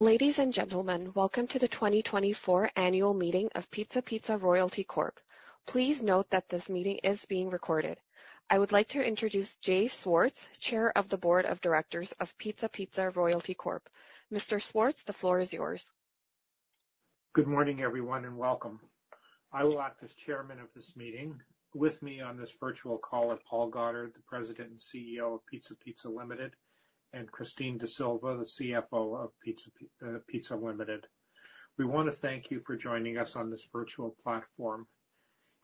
Ladies and gentlemen, welcome to the 2024 annual meeting of Pizza Pizza Royalty Corp. Please note that this meeting is being recorded. I would like to introduce Jay Swartz, Chair of the Board of Directors of Pizza Pizza Royalty Corp. Mr. Swartz, the floor is yours. Good morning, everyone, and welcome. I will act as chairman of this meeting. With me on this virtual call is Paul Goddard, the President and CEO of Pizza Pizza Limited, and Christine D'Sylva, the CFO of Pizza Pizza Limited. We wanna thank you for joining us on this virtual platform.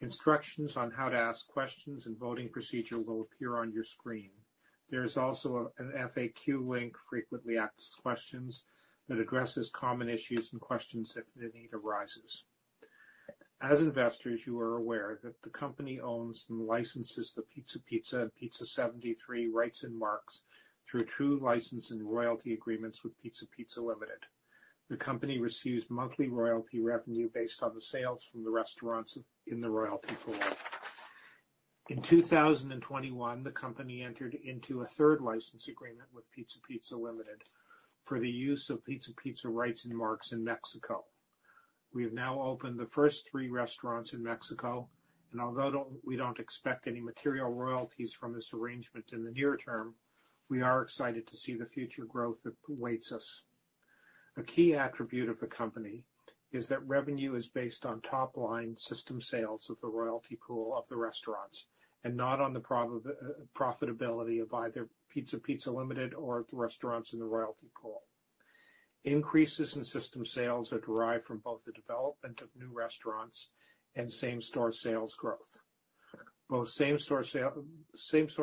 Instructions on how to ask questions and voting procedure will appear on your screen. There is also an FAQ link, frequently asked questions, that addresses common issues and questions if the need arises. As investors, you are aware that the company owns and licenses the Pizza Pizza and Pizza 73 rights and marks through two license and royalty agreements with Pizza Pizza Limited. The company receives monthly royalty revenue based on the sales from the restaurants in the royalty pool. In 2021, the company entered into a third license agreement with Pizza Pizza Limited for the use of Pizza Pizza rights and marks in Mexico. We have now opened the first three restaurants in Mexico, and although we don't expect any material royalties from this arrangement in the near term, we are excited to see the future growth that awaits us. A key attribute of the company is that revenue is based on top-line system sales of the royalty pool of the restaurants and not on the profitability of either Pizza Pizza Limited or the restaurants in the royalty pool. Increases in system sales are derived from both the development of new restaurants and same-store sales growth. Same-store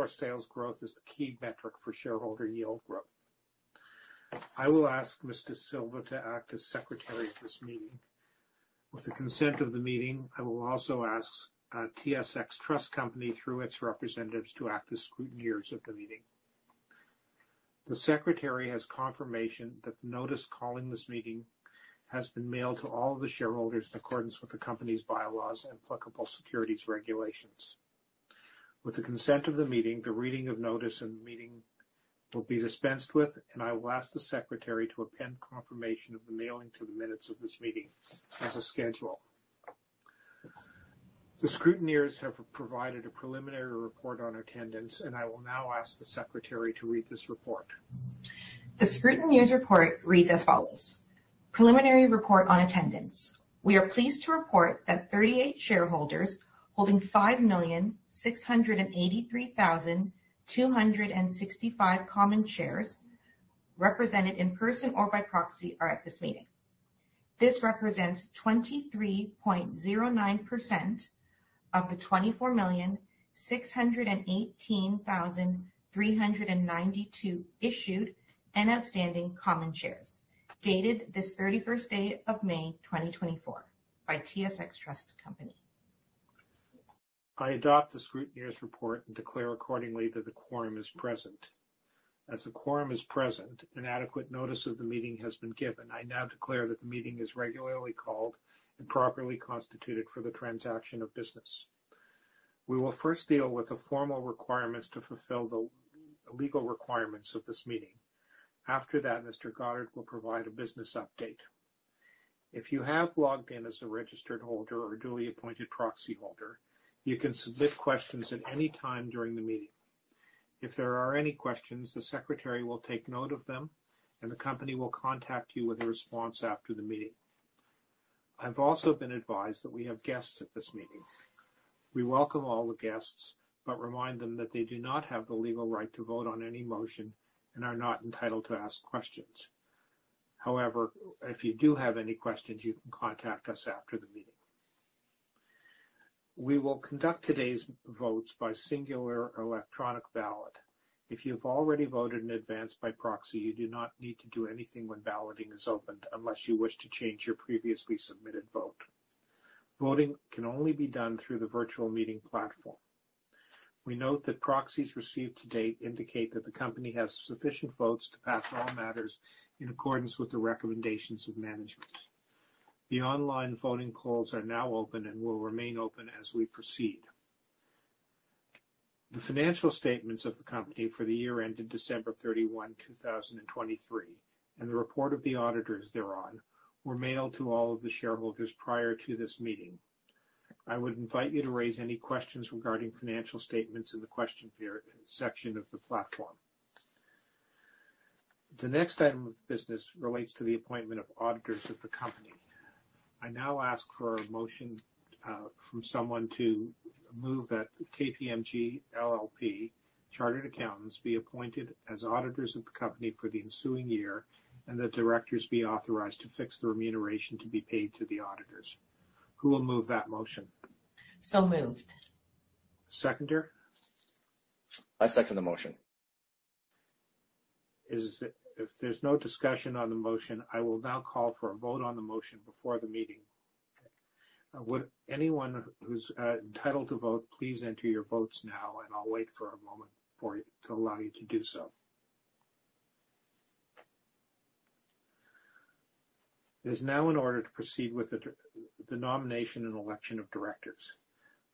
sales growth is the key metric for shareholder yield growth. I will ask Ms. D'Sylva to act as secretary of this meeting. With the consent of the meeting, I will also ask TSX Trust Company through its representatives to act as scrutineers of the meeting. The secretary has confirmation that the notice calling this meeting has been mailed to all of the shareholders in accordance with the company's bylaws and applicable securities regulations. With the consent of the meeting, the reading of notice and the meeting will be dispensed with, and I will ask the secretary to append confirmation of the mailing to the minutes of this meeting as a schedule. The scrutineers have provided a preliminary report on attendance, and I will now ask the secretary to read this report. The scrutineers report reads as follows. Preliminary report on attendance. We are pleased to report that 38 shareholders holding 5,683,265 common shares represented in person or by proxy are at this meeting. This represents 23.09% of the 24,618,392 issued and outstanding common shares. Dated this May 31st, 2024 by TSX Trust Company. I adopt the scrutineers report and declare accordingly that the quorum is present. As the quorum is present, an adequate notice of the meeting has been given. I now declare that the meeting is regularly called and properly constituted for the transaction of business. We will first deal with the formal requirements to fulfill the legal requirements of this meeting. After that, Mr. Goddard will provide a business update. If you have logged in as a registered holder or duly appointed proxy holder, you can submit questions at any time during the meeting. If there are any questions, the secretary will take note of them, and the company will contact you with a response after the meeting. I've also been advised that we have guests at this meeting. We welcome all the guests, but remind them that they do not have the legal right to vote on any motion and are not entitled to ask questions. However, if you do have any questions, you can contact us after the meeting. We will conduct today's votes by singular electronic ballot. If you've already voted in advance by proxy, you do not need to do anything when balloting is opened unless you wish to change your previously submitted vote. Voting can only be done through the virtual meeting platform. We note that proxies received to date indicate that the company has sufficient votes to pass all matters in accordance with the recommendations of management. The online voting polls are now open and will remain open as we proceed. The financial statements of the company for the year ended December 31, 2023, and the report of the auditors thereon were mailed to all of the shareholders prior to this meeting. I would invite you to raise any questions regarding financial statements in the question period section of the platform. The next item of business relates to the appointment of auditors of the company. I now ask for a motion from someone to move that KPMG LLP Chartered Accountants be appointed as auditors of the company for the ensuing year and that directors be authorized to fix the remuneration to be paid to the auditors. Who will move that motion? Moved. Seconder? I second the motion. If there's no discussion on the motion, I will now call for a vote on the motion before the meeting. Would anyone who's entitled to vote, please enter your votes now, and I'll wait for a moment to allow you to do so. It is now in order to proceed with the nomination and election of directors.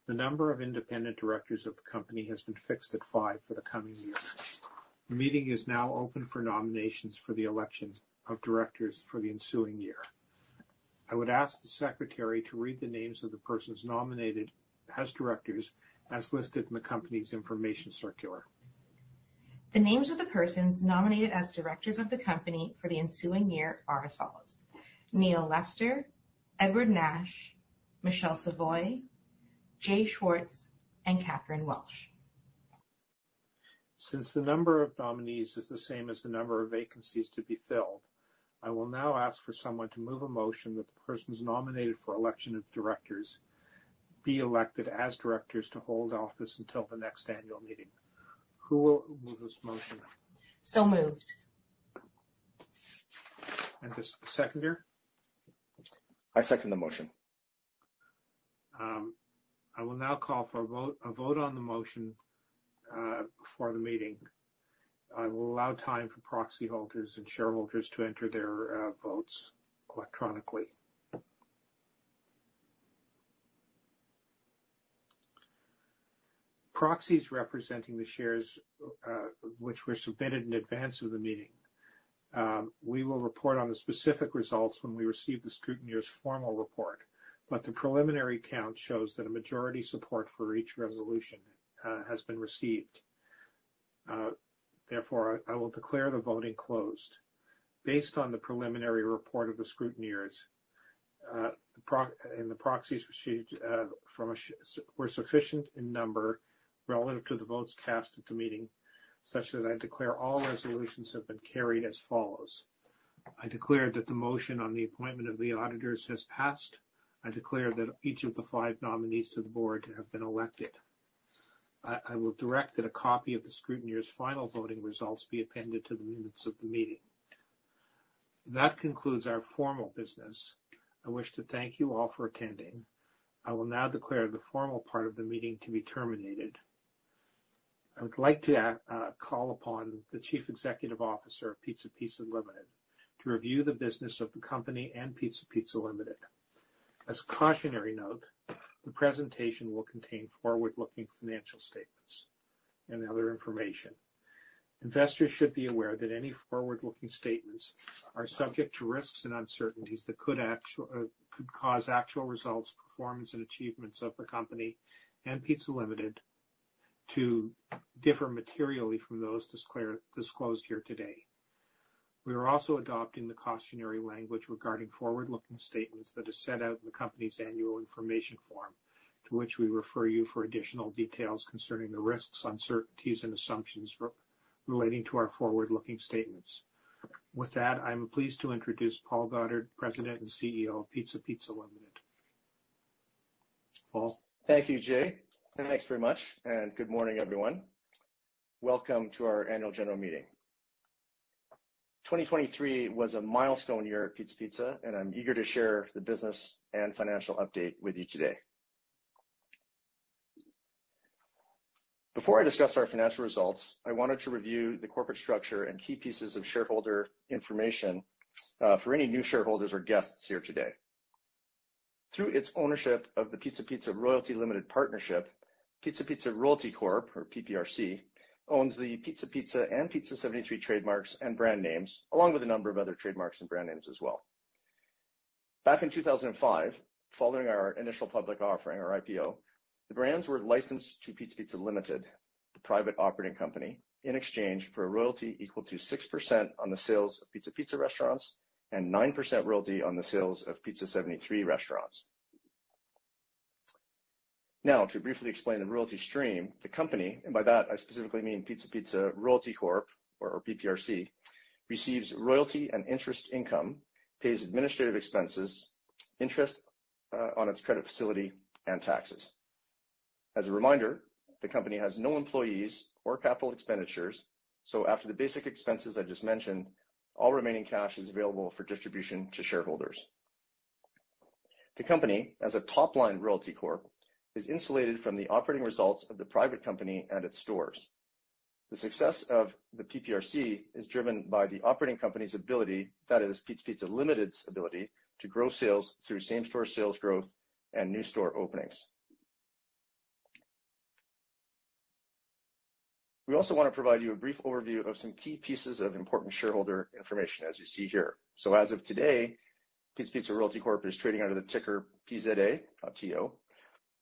The number of independent directors of the company has been fixed at five for the coming year. The meeting is now open for nominations for the election of directors for the ensuing year. I would ask the secretary to read the names of the persons nominated as directors as listed in the company's information circular. The names of the persons nominated as directors of the company for the ensuing year are as follows: Neil Lester, Edward Nash, Michelle Savoy, Jay Swartz, and Kathryn Welsh. Since the number of nominees is the same as the number of vacancies to be filled, I will now ask for someone to move a motion that the persons nominated for election of directors be elected as directors to hold office until the next annual meeting. Who will move this motion? Moved. The seconder? I second the motion. I will now call for a vote, a vote on the motion for the meeting. I will allow time for proxy holders and shareholders to enter their votes electronically. Proxies representing the shares which were submitted in advance of the meeting, we will report on the specific results when we receive the scrutineer's formal report. The preliminary count shows that a majority support for each resolution has been received. Therefore, I will declare the voting closed. Based on the preliminary report of the scrutineers, and the proxies received were sufficient in number relative to the votes cast at the meeting, such that I declare all resolutions have been carried as follows. I declare that the motion on the appointment of the auditors has passed. I declare that each of the five nominees to the board have been elected. I will direct that a copy of the scrutineer's final voting results be appended to the minutes of the meeting. That concludes our formal business. I wish to thank you all for attending. I will now declare the formal part of the meeting to be terminated. I would like to call upon the Chief Executive Officer of Pizza Pizza Limited to review the business of the company and Pizza Pizza Limited. As a cautionary note, the presentation will contain forward-looking financial statements and other information. Investors should be aware that any forward-looking statements are subject to risks and uncertainties that could cause actual results, performance and achievements of the company and Pizza Limited to differ materially from those disclosed here today. We are also adopting the cautionary language regarding forward-looking statements that are set out in the company's annual information form, to which we refer you for additional details concerning the risks, uncertainties, and assumptions relating to our forward-looking statements. With that, I am pleased to introduce Paul Goddard, President and CEO of Pizza Pizza Limited. Paul? Thank you, Jay. Thanks very much, and good morning, everyone. Welcome to our annual general meeting. 2023 was a milestone year at Pizza Pizza, and I'm eager to share the business and financial update with you today. Before I discuss our financial results, I wanted to review the corporate structure and key pieces of shareholder information for any new shareholders or guests here today. Through its ownership of the Pizza Pizza Royalty Limited Partnership, Pizza Pizza Royalty Corp., or PPRC, owns the Pizza Pizza and Pizza 73 trademarks and brand names, along with a number of other trademarks and brand names as well. Back in 2005, following our initial public offering or IPO, the brands were licensed to Pizza Pizza Limited, the private operating company, in exchange for a royalty equal to 6% on the sales of Pizza Pizza restaurants and 9% royalty on the sales of Pizza 73 restaurants. To briefly explain the royalty stream, the company, and by that I specifically mean Pizza Pizza Royalty Corp., or PPRC, receives royalty and interest income, pays administrative expenses, interest on its credit facility, and taxes. As a reminder, the company has no employees or capital expenditures, so after the basic expenses I just mentioned, all remaining cash is available for distribution to shareholders. The company, as a top-line royalty corp, is insulated from the operating results of the private company and its stores. The success of the PPRC is driven by the operating company's ability, that is, Pizza Pizza Limited's ability, to grow sales through same-store sales growth and new store openings. We also want to provide you a brief overview of some key pieces of important shareholder information, as you see here. As of today, Pizza Pizza Royalty Corp. is trading under the ticker PZA.TO,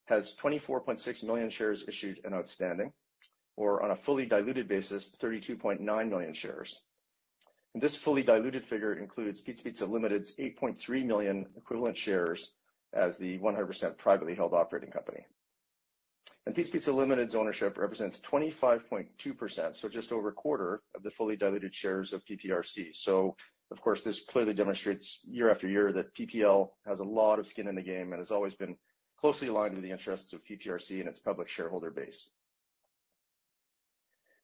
has 24.6 million shares issued and outstanding, or on a fully diluted basis, 32.9 million shares. This fully diluted figure includes Pizza Pizza Limited's 8.3 million equivalent shares as the 100% privately held operating company. Pizza Pizza Limited's ownership represents 25.2%, so just over a quarter of the fully diluted shares of PPRC. Of course, this clearly demonstrates year after year that PPL has a lot of skin in the game and has always been closely aligned with the interests of PPRC and its public shareholder base.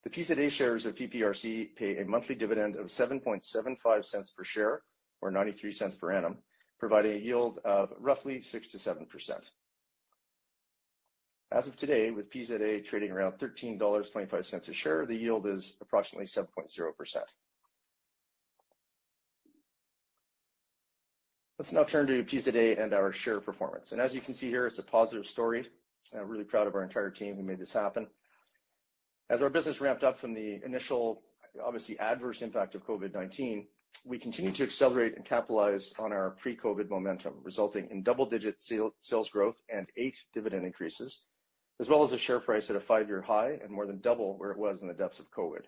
The PZA shares of PPRC pay a monthly dividend of 0.0775 per share or 0.93 per annum, providing a yield of roughly 6%-7%. As of today, with PZA trading around 13.25 dollars a share, the yield is approximately 7.0%. Let's now turn to PZA and our share performance. As you can see here, it's a positive story, and I'm really proud of our entire team who made this happen. As our business ramped up from the initial, obviously adverse impact of COVID-19, we continued to accelerate and capitalize on our pre-COVID momentum, resulting in double-digit sales growth and eight dividend increases, as well as a share price at a five-year high and more than double where it was in the depths of COVID.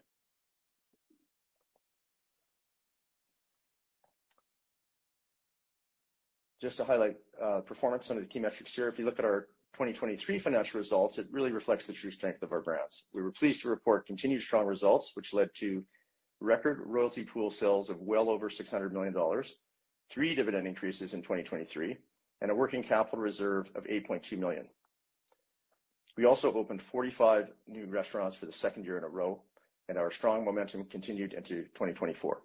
Just to highlight performance under the key metrics here, if you look at our 2023 financial results, it really reflects the true strength of our brands. We were pleased to report continued strong results, which led to record royalty pool sales of well over 600 million dollars, three dividend increases in 2023, and a working capital reserve of 8.2 million. We also opened 45 new restaurants for the second year in a row, and our strong momentum continued into 2024.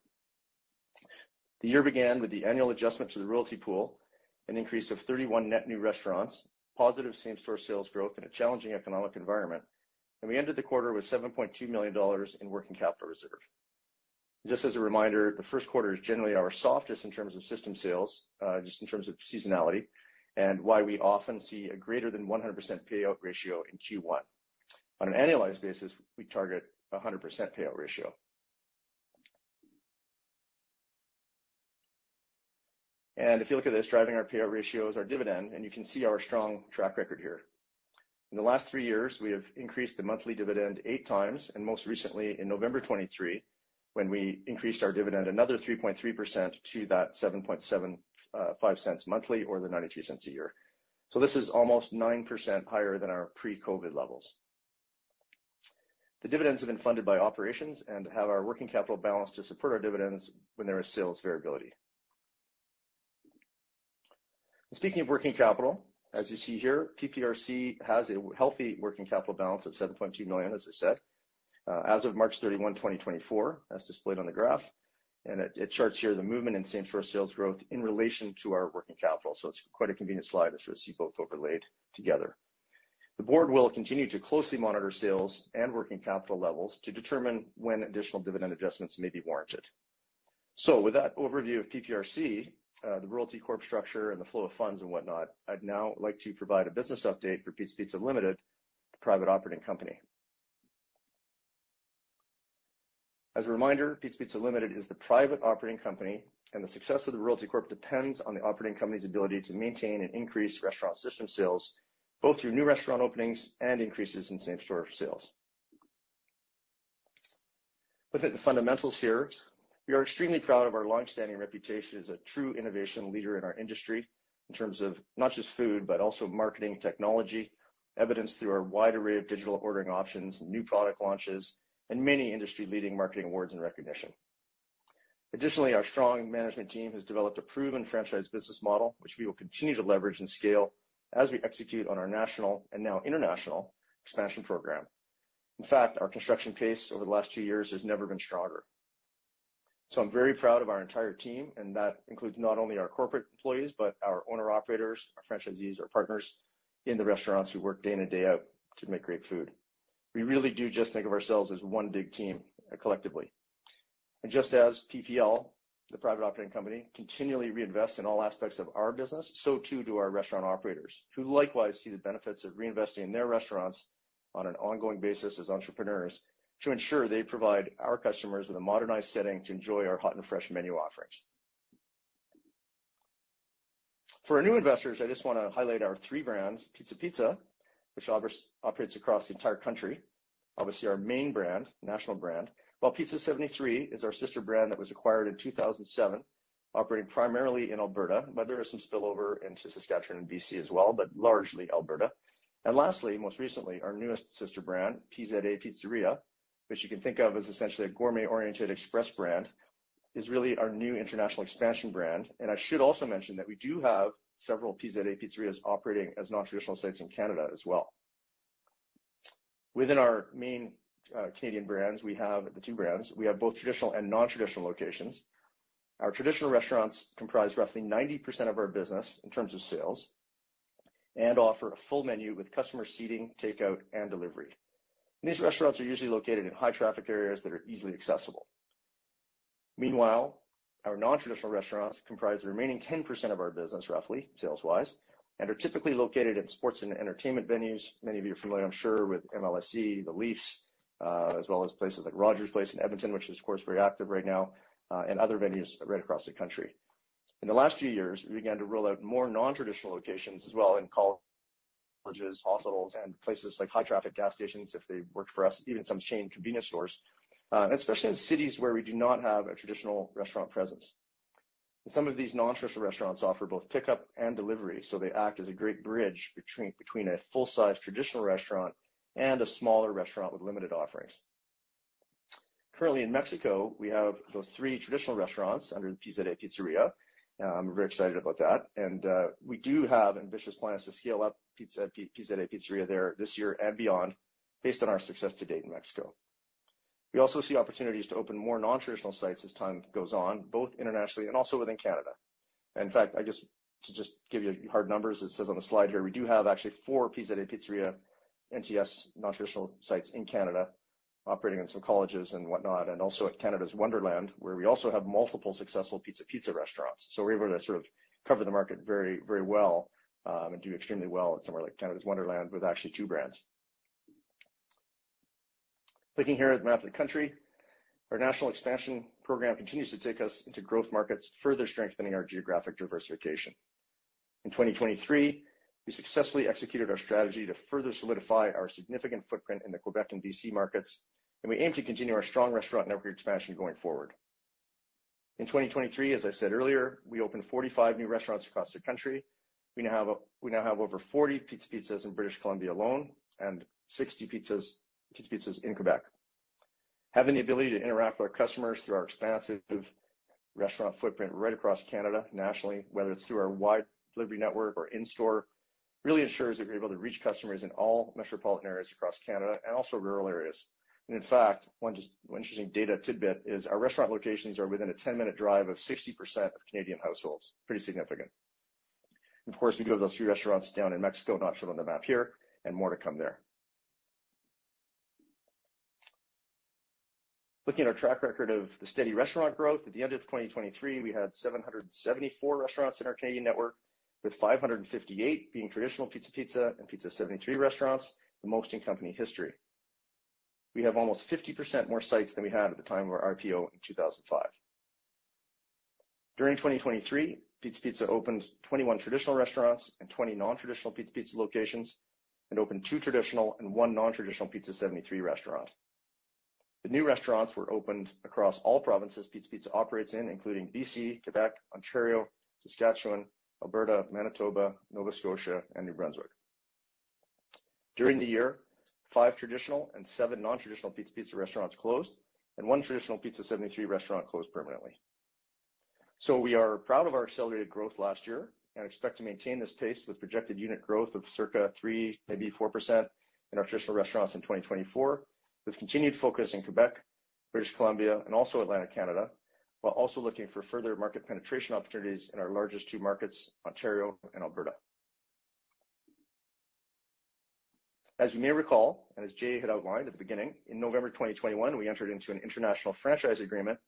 The year began with the annual adjustment to the royalty pool, an increase of 31 net new restaurants, positive same-store sales growth in a challenging economic environment. We ended the quarter with 7.2 million dollars in working capital reserve. Just as a reminder, the first quarter is generally our softest in terms of system sales, just in terms of seasonality and why we often see a greater than 100% payout ratio in Q1. On an annualized basis, we target a 100% payout ratio. If you look at this, driving our payout ratio is our dividend. You can see our strong track record here. In the last three years, we have increased the monthly dividend 8x, and most recently in November 2023, when we increased our dividend another 3.3% to that 0.0775 monthly or the 0.93 a year. This is almost 9% higher than our pre-COVID levels. The dividends have been funded by operations and have our working capital balance to support our dividends when there is sales variability. Speaking of working capital, as you see here, PPRC has a healthy working capital balance of 7.2 million, as I said, as of March 31, 2024, as displayed on the graph. It charts here the movement in same-store sales growth in relation to our working capital. It's quite a convenient slide to sort of see both overlaid together. The board will continue to closely monitor sales and working capital levels to determine when additional dividend adjustments may be warranted. With that overview of PPRC, the Royalty Corp. structure and the flow of funds and whatnot, I'd now like to provide a business update for Pizza Pizza Limited, the private Operating Company. As a reminder, Pizza Pizza Limited is the private Operating Company, and the success of the Royalty Corp. depends on the Operating Company's ability to maintain and increase restaurant system sales, both through new restaurant openings and increases in same-store sales. Looking at the fundamentals here, we are extremely proud of our long-standing reputation as a true innovation leader in our industry in terms of not just food, but also marketing technology, evidenced through our wide array of digital ordering options, new product launches, and many industry-leading marketing awards and recognition. Our strong management team has developed a proven franchise business model, which we will continue to leverage and scale as we execute on our national and now international expansion program. Our construction pace over the last two years has never been stronger. I'm very proud of our entire team, and that includes not only our corporate employees, but our owner-operators, our franchisees, our partners in the restaurants who work day in and day out to make great food. We really do just think of ourselves as one big team collectively. Just as PPL, the private operating company, continually reinvests in all aspects of our business, so too do our restaurant operators, who likewise see the benefits of reinvesting in their restaurants on an ongoing basis as entrepreneurs to ensure they provide our customers with a modernized setting to enjoy our hot and fresh menu offerings. For our new investors, I just want to highlight our three brands, Pizza Pizza, which operates across the entire country, obviously our main brand, national brand. While Pizza 73 is our sister brand that was acquired in 2007, operating primarily in Alberta, but there is some spillover into Saskatchewan and D.C. as well, but largely Alberta. Lastly, most recently, our newest sister brand, PZA Pizzeria, which you can think of as essentially a gourmet-oriented express brand, is really our new international expansion brand. I should also mention that we do have several PZA Pizzerias operating as non-traditional sites in Canada as well. Within our main Canadian brands, we have the two brands. We have both traditional and non-traditional locations. Our traditional restaurants comprise roughly 90% of our business in terms of sales and offer a full menu with customer seating, takeout, and delivery. These restaurants are usually located in high-traffic areas that are easily accessible. Meanwhile, our non-traditional restaurants comprise the remaining 10% of our business, roughly, sales-wise, and are typically located in sports and entertainment venues. Many of you are familiar, I'm sure, with MLSE, The Leafs, as well as places like Rogers Place in Edmonton, which is of course, very active right now, and other venues right across the country. In the last few years, we began to roll out more non-traditional locations as well in colleges, hospitals, and places like high-traffic gas stations, if they work for us, even some chain convenience stores, and especially in cities where we do not have a traditional restaurant presence. Some of these non-traditional restaurants offer both pickup and delivery, so they act as a great bridge between a full-size traditional restaurant and a smaller restaurant with limited offerings. Currently in Mexico, we have those three traditional restaurants under the PZA Pizzeria. We're very excited about that. We do have ambitious plans to scale up PZA Pizzeria there this year and beyond based on our success to date in Mexico. We also see opportunities to open more non-traditional sites as time goes on, both internationally and also within Canada. In fact, I guess to just give you hard numbers, it says on the slide here, we do have actually four Pizza Pizzeria NTS, non-traditional sites in Canada operating in some colleges and whatnot, and also at Canada's Wonderland, where we also have multiple successful Pizza Pizza restaurants. We're able to sort of cover the market very, very well, and do extremely well at somewhere like Canada's Wonderland with actually two brands. Looking here at the map of the country, our national expansion program continues to take us into growth markets, further strengthening our geographic diversification. In 2023, we successfully executed our strategy to further solidify our significant footprint in the Quebec and B.C. markets, and we aim to continue our strong restaurant network expansion going forward. In 2023, as I said earlier, we opened 45 new restaurants across the country. We now have over 40 Pizza Pizzas in British Columbia alone and 60 Pizza Pizzas in Quebec. Having the ability to interact with our customers through our expansive restaurant footprint right across Canada nationally, whether it's through our wide delivery network or in-store, really ensures that we're able to reach customers in all metropolitan areas across Canada and also rural areas. In fact, one interesting data tidbit is our restaurant locations are within a 10-minute drive of 60% of Canadian households. Pretty significant. Of course, we do have those three restaurants down in Mexico, not shown on the map here, and more to come there. Looking at our track record of the steady restaurant growth, at the end of 2023, we had 774 restaurants in our Canadian network, with 558 being traditional Pizza Pizza and Pizza 73 restaurants, the most in company history. We have almost 50% more sites than we had at the time of our IPO in 2005. During 2023, Pizza Pizza opened 21 traditional restaurants and 20 non-traditional Pizza Pizza locations and opened two traditional and one non-traditional Pizza 73 restaurant. The new restaurants were opened across all provinces Pizza Pizza operates in, including B.C., Quebec, Ontario, Saskatchewan, Alberta, Manitoba, Nova Scotia, and New Brunswick. During the year, five traditional and seven non-traditional Pizza Pizza restaurants closed, and one traditional Pizza 73 restaurant closed permanently. We are proud of our accelerated growth last year and expect to maintain this pace with projected unit growth of circa 3%, maybe 4% in our traditional restaurants in 2024, with continued focus in Quebec, British Columbia, and also Atlantic Canada, while also looking for further market penetration opportunities in our largest two markets, Ontario and Alberta. As you may recall, as Jay had outlined at the beginning, in November 2021, we entered into an international franchise agreement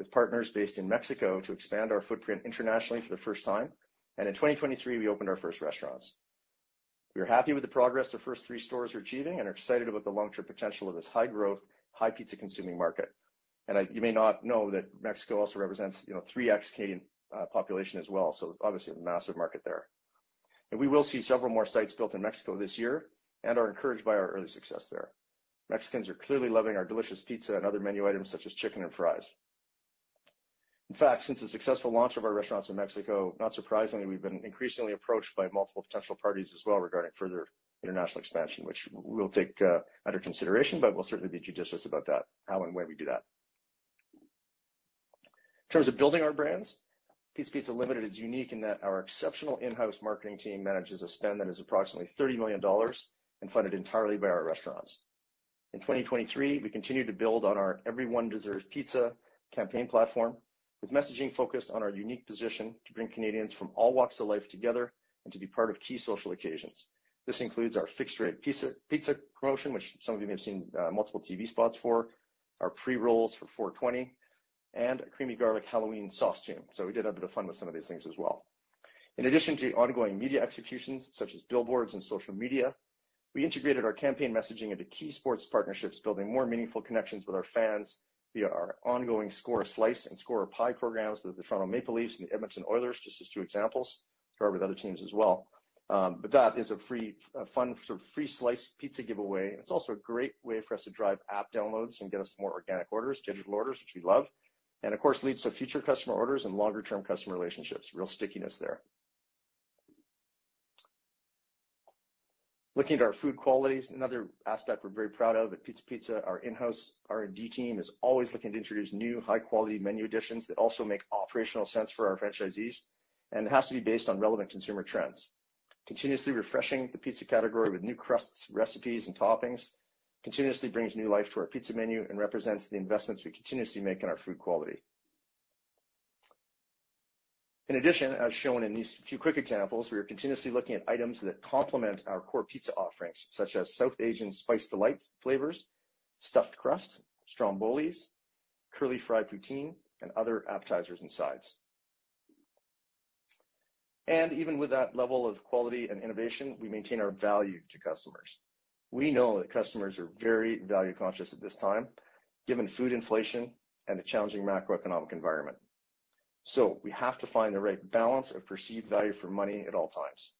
with partners based in Mexico to expand our footprint internationally for the first time. In 2023, we opened our first restaurants. We are happy with the progress the first three stores are achieving and are excited about the long-term potential of this high-growth, high pizza consuming market. You may not know that Mexico also represents, you know, 3x Canadian population as well. Obviously a massive market there. We will see several more sites built in Mexico this year and are encouraged by our early success there. Mexicans are clearly loving our delicious pizza and other menu items such as chicken and fries. Since the successful launch of our restaurants in Mexico, not surprisingly, we've been increasingly approached by multiple potential parties as well regarding further international expansion, which we'll take under consideration, but we'll certainly be judicious about that, how and when we do that. In terms of building our brands, Pizza Pizza Limited is unique in that our exceptional in-house marketing team manages a spend that is approximately 30 million dollars and funded entirely by our restaurants. In 2023, we continued to build on our Everyone Deserves Pizza campaign platform, with messaging focused on our unique position to bring Canadians from all walks of life together and to be part of key social occasions. This includes our Fixed-Rate Pizza promotion, which some of you may have seen multiple TV spots for, our pre-rolls for 420, and a Creamy Garlic "Sauce-tume". We did have a bit of fun with some of these things as well. In addition to ongoing media executions, such as billboards and social media, we integrated our campaign messaging into key sports partnerships, building more meaningful connections with our fans via our ongoing Score a Slice and Score a Pie programs with the Toronto Maple Leafs and the Edmonton Oilers, just as two examples. We partner with other teams as well. That is a free, fun, sort of free slice pizza giveaway. It is also a great way for us to drive app downloads and get us more organic orders, digital orders, which we love, and of course, leads to future customer orders and longer-term customer relationships. Real stickiness there. Looking at our food qualities, another aspect we're very proud of at Pizza Pizza, our in-house R&D team is always looking to introduce new high-quality menu additions that also make operational sense for our franchisees, and it has to be based on relevant consumer trends. Continuously refreshing the pizza category with new crusts, recipes, and toppings continuously brings new life to our pizza menu and represents the investments we continuously make in our food quality. In addition, as shown in these few quick examples, we are continuously looking at items that complement our core pizza offerings, such as South Asian Spice Delights flavors, Stuffed Crust, Strombolis, Curly Fry Poutine, and other appetizers and sides. Even with that level of quality and innovation, we maintain our value to customers. We know that customers are very value conscious at this time, given food inflation and the challenging macroeconomic environment. We have to find the right balance of perceived value for money at all times.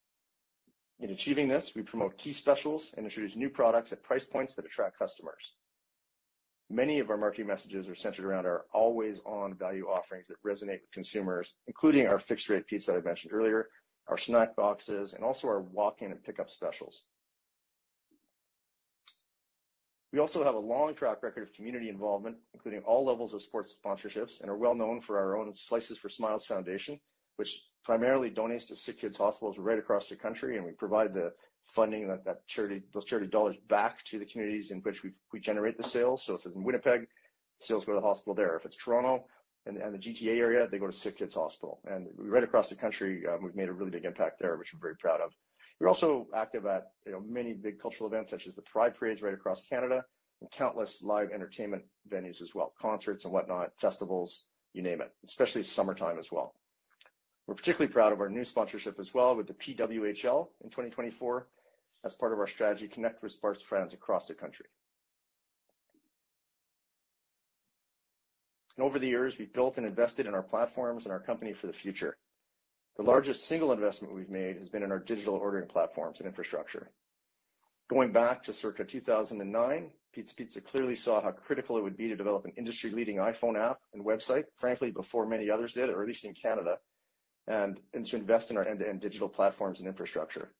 In achieving this, we promote key specials and introduce new products at price points that attract customers. Many of our marketing messages are centered around our always-on value offerings that resonate with consumers, including our Fixed-Rate Pizza I mentioned earlier, our Snack Boxes, and also our walk-in and pickup specials. We also have a long track record of community involvement, including all levels of sports sponsorships, and are well known for our own Slices for Smiles Foundation, which primarily donates to SickKids hospitals right across the country, and we provide the funding and those charity dollars back to the communities in which we generate the sales. If it's in Winnipeg, sales go to the hospital there. If it's Toronto and the GTA area, they go to SickKids Hospital. Right across the country, we've made a really big impact there, which we're very proud of. We're also active at, you know, many big cultural events such as the Pride Parades right across Canada and countless live entertainment venues as well, concerts and whatnot, festivals, you name it, especially summertime as well. We're particularly proud of our new sponsorship as well with the PWHL in 2024 as part of our strategy to connect with sports fans across the country. Over the years, we've built and invested in our platforms and our company for the future. The largest single investment we've made has been in our digital ordering platforms and infrastructure. Going back to circa 2009, Pizza Pizza clearly saw how critical it would be to develop an industry-leading iPhone app and website, frankly, before many others did, or at least in Canada, and to invest in our end-to-end digital platforms and infrastructure.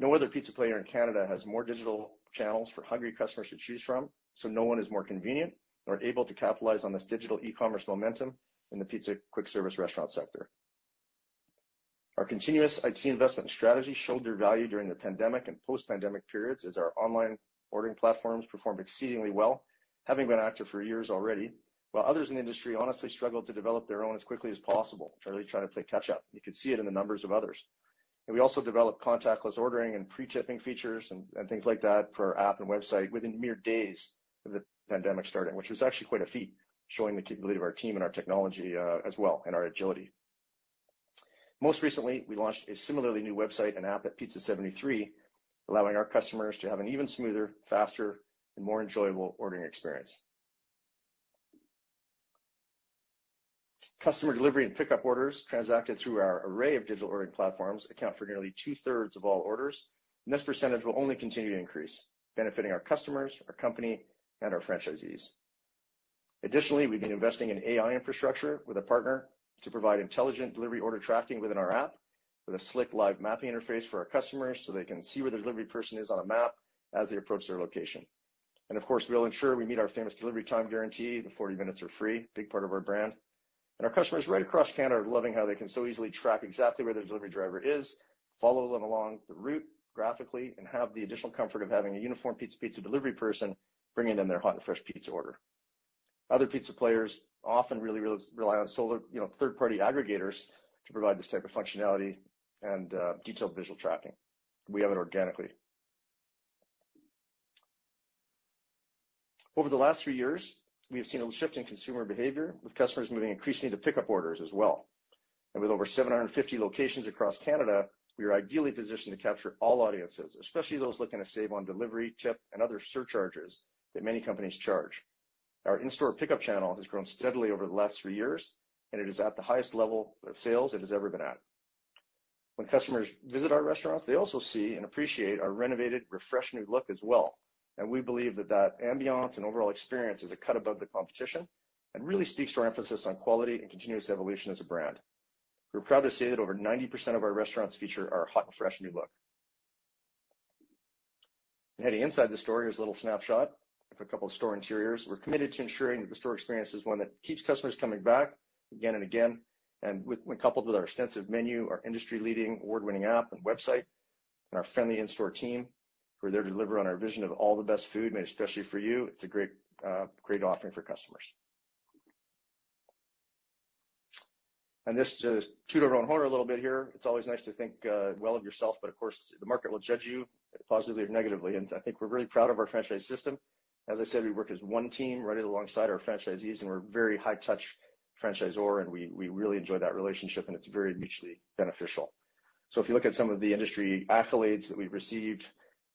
No other pizza player in Canada has more digital channels for hungry customers to choose from, so no one is more convenient or able to capitalize on this digital e-commerce momentum in the pizza quick service restaurant sector. Our continuous IT investment strategy showed their value during the pandemic and post-pandemic periods as our online ordering platforms performed exceedingly well, having been active for years already, while others in the industry honestly struggled to develop their own as quickly as possible, really trying to play catch up. You could see it in the numbers of others. We also developed contactless ordering and pre-tipping features and things like that for our app and website within mere days of the pandemic starting, which was actually quite a feat, showing the capability of our team and our technology as well, and our agility. Most recently, we launched a similarly new website and app at Pizza 73, allowing our customers to have an even smoother, faster, and more enjoyable ordering experience. Customer delivery and pickup orders transacted through our array of digital ordering platforms account for nearly two-thirds of all orders. This percentage will only continue to increase, benefiting our customers, our company, and our franchisees. Additionally, we've been investing in AI infrastructure with a partner to provide intelligent delivery order tracking within our app with a slick live mapping interface for our customers, so they can see where the delivery person is on a map as they approach their location. Of course, we'll ensure we meet our famous delivery time guarantee, the 40 minutes or free, big part of our brand. Our customers right across Canada are loving how they can so easily track exactly where their delivery driver is, follow them along the route graphically, and have the additional comfort of having a uniformed Pizza Pizza delivery person bringing them their hot and fresh pizza order. Other pizza players often really rely on solo, you know, third-party aggregators to provide this type of functionality and detailed visual tracking. We have it organically. Over the last few years, we have seen a shift in consumer behavior, with customers moving increasingly to pick up orders as well. With over 750 locations across Canada, we are ideally positioned to capture all audiences, especially those looking to save on delivery, tip, and other surcharges that many companies charge. Our in-store pickup channel has grown steadily over the last three years, and it is at the highest level of sales it has ever been at. When customers visit our restaurants, they also see and appreciate our renovated, refreshed new look as well, and we believe that that ambiance and overall experience is a cut above the competition and really speaks to our emphasis on quality and continuous evolution as a brand. We're proud to say that over 90% of our restaurants feature our hot and fresh new look. Heading inside the store, here's a little snapshot of a couple store interiors. We're committed to ensuring that the store experience is one that keeps customers coming back again and again. When coupled with our extensive menu, our industry-leading award-winning app and website, and our friendly in-store team, we're there to deliver on our vision of all the best food made especially for you. It's a great offering for customers. Just to toot our own horn a little bit here, it's always nice to think well of yourself, but of course, the market will judge you positively or negatively. I think we're very proud of our franchise system. As I said, we work as one team right alongside our franchisees, and we're very high touch franchisor, and we really enjoy that relationship, and it's very mutually beneficial. If you look at some of the industry accolades that we've received,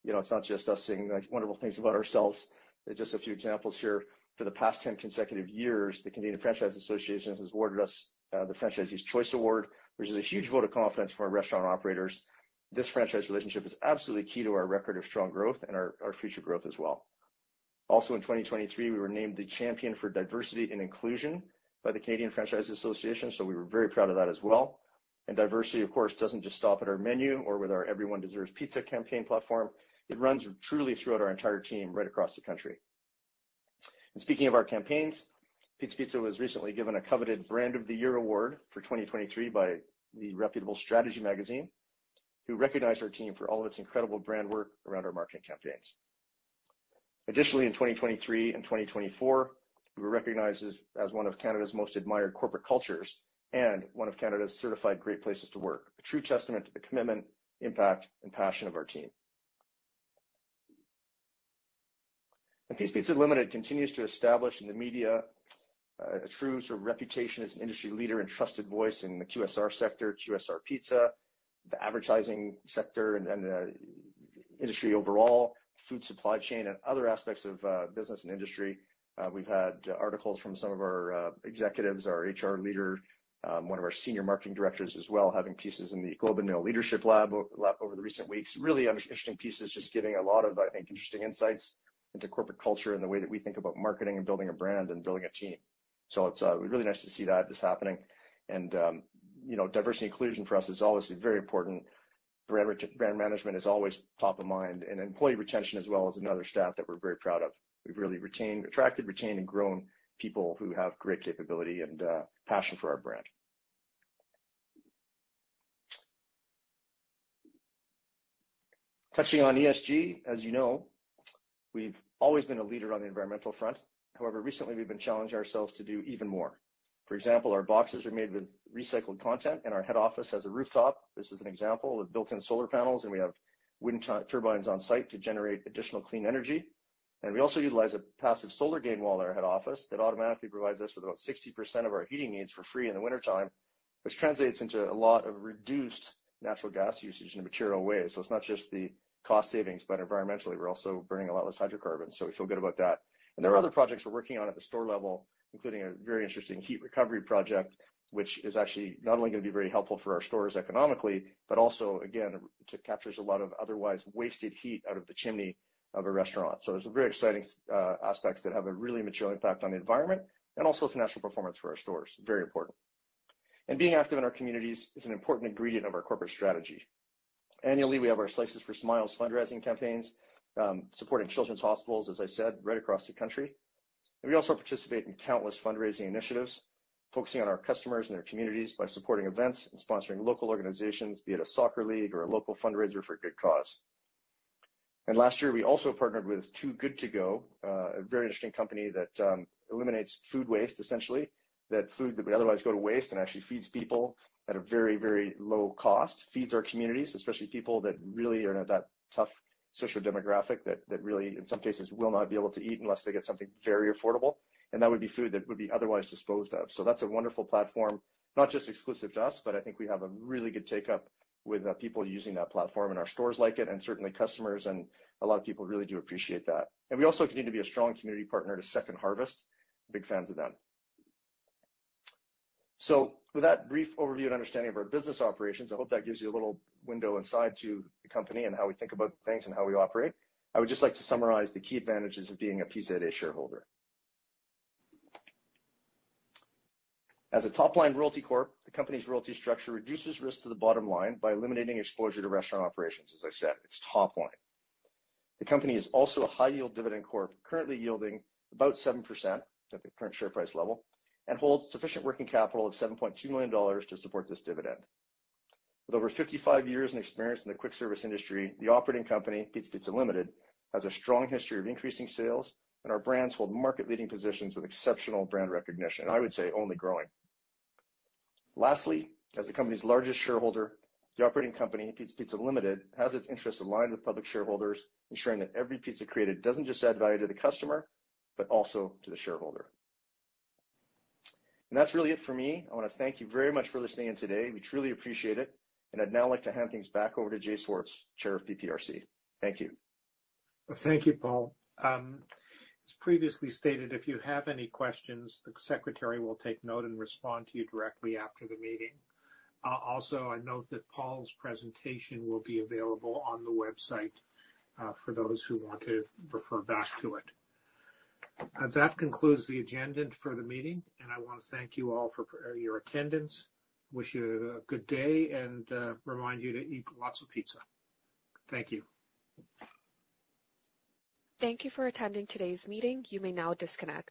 you know, it's not just us saying, like, wonderful things about ourselves. Just a few examples here. For the past 10 consecutive years, the Canadian Franchise Association has awarded us the Franchisees' Choice Award, which is a huge vote of confidence for our restaurant operators. This franchise relationship is absolutely key to our record of strong growth and our future growth as well. In 2023, we were named the Champion for Diversity and Inclusion by the Canadian Franchise Association, we were very proud of that as well. Diversity, of course, doesn't just stop at our menu or with our Everyone Deserves Pizza campaign platform. It runs truly throughout our entire team right across the country. Speaking of our campaigns, Pizza Pizza was recently given a coveted Brand of the Year award for 2023 by the reputable Strategy, who recognized our team for all of its incredible brand work around our marketing campaigns. Additionally, in 2023 and 2024, we were recognized as one of Canada's most admired corporate cultures and one of Canada's certified great places to work. A true testament to the commitment, impact, and passion of our team. Pizza Pizza Limited continues to establish in the media, a true sort of reputation as an industry leader and trusted voice in the QSR sector, QSR pizza, the advertising sector, and industry overall, food supply chain, and other aspects of business and industry. We've had articles from some of our executives, our HR leader, one of our senior marketing directors as well, having pieces in the Globe Leadership Lab over the recent weeks. Really, interesting pieces, just giving a lot of, I think, interesting insights into corporate culture and the way that we think about marketing and building a brand and building a team. It's really nice to see that is happening. You know, diversity and inclusion for us is obviously very important. Brand management is always top of mind, and employee retention as well is another stat that we're very proud of. We've really attracted, retained, and grown people who have great capability and passion for our brand. Touching on ESG, as you know, we've always been a leader on the environmental front. However, recently, we've been challenging ourselves to do even more. For example, our boxes are made with recycled content. Our head office has a rooftop. This is an example with built-in solar panels. We have wind turbines on site to generate additional clean energy. We also utilize a passive solar gain wall at our head office that automatically provides us with about 60% of our heating needs for free in the wintertime, which translates into a lot of reduced natural gas usage in a material way. It's not just the cost savings, but environmentally, we're also burning a lot less hydrocarbons. We feel good about that. There are other projects we're working on at the store level, including a very interesting heat recovery project, which is actually not only going to be very helpful for our stores economically, but also, again, captures a lot of otherwise wasted heat out of the chimney of a restaurant. It's very exciting aspects that have a really material impact on the environment and also financial performance for our stores. Very important. Being active in our communities is an important ingredient of our corporate strategy. Annually, we have our Slices for Smiles fundraising campaigns, supporting children's hospitals, as I said, right across the country. We also participate in countless fundraising initiatives, focusing on our customers and their communities by supporting events and sponsoring local organizations, be it a soccer league or a local fundraiser for a good cause. Last year, we also partnered with Too Good To Go, a very interesting company that eliminates food waste, essentially, that food that would otherwise go to waste and actually feeds people at a very, very low cost, feeds our communities, especially people that really are in that tough socio-demographic that really, in some cases, will not be able to eat unless they get something very affordable. That would be food that would be otherwise disposed of. That's a wonderful platform, not just exclusive to us, but I think we have a really good take-up with people using that platform, and our stores like it, and certainly customers and a lot of people really do appreciate that. We also continue to be a strong community partner to Second Harvest. Big fans of them. With that brief overview and understanding of our business operations, I hope that gives you a little window inside to the company and how we think about things and how we operate. I would just like to summarize the key advantages of being a PZA shareholder. As a top-line royalty Corp, the company's royalty structure reduces risk to the bottom line by eliminating exposure to restaurant operations, as I said. It's top line. The company is also a high-yield dividend Corp, currently yielding about 7% at the current share price level, and holds sufficient working capital of 7.2 million dollars to support this dividend. With over 55 years in experience in the quick-service industry, the operating company, Pizza Pizza Limited, has a strong history of increasing sales, and our brands hold market-leading positions with exceptional brand recognition, and I would say only growing. Lastly, as the company's largest shareholder, the operating company, Pizza Pizza Limited, has its interests aligned with public shareholders, ensuring that every pizza created doesn't just add value to the customer, but also to the shareholder. That's really it for me. I wanna thank you very much for listening in today. We truly appreciate it, and I'd now like to hand things back over to Jay Swartz, Chair of PPRC. Thank you. Thank you, Paul. As previously stated, if you have any questions, the secretary will take note and respond to you directly after the meeting. Also, I note that Paul's presentation will be available on the website for those who want to refer back to it. That concludes the agenda for the meeting. I want to thank you all for your attendance. Wish you a good day and remind you to eat lots of pizza. Thank you. Thank you for attending today's meeting. You may now disconnect.